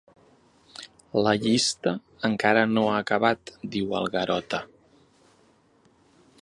La llista encara no ha acabat —diu el Garota—.